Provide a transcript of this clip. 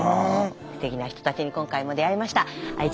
すてきな人たちに今回も出会えました。